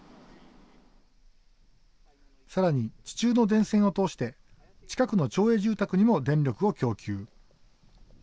さらに、地中の電線を通して近くの町営住宅にも電力を供給。